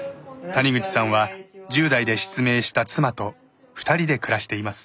谷口さんは１０代で失明した妻と２人で暮らしています。